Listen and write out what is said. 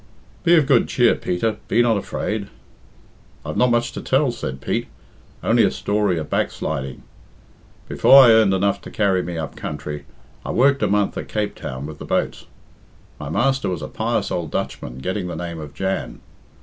"Be of good cheer, Peter, be not afraid." "I've not much to tell," said Pete "only a story of backsliding. Before I earned enough to carry me up country, I worked a month at Cape Town with the boats. My master was a pious old Dutchman getting the name of Jan.